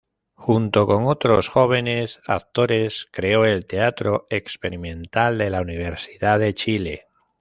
Junto con otros jóvenes actores creó el Teatro Experimental de la Universidad de Chile.